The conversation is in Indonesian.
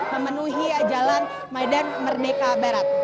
memenuhi jalan medan merdeka barat